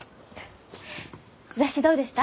雑誌どうでした？